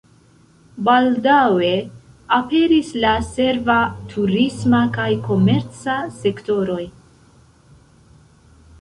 Baldaŭe aperis la serva, turisma kaj komerca sektoroj.